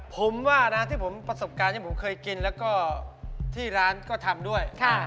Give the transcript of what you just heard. พริกนี่เขาจะแพงบว่าไกล้๑กิโลมินเยอะ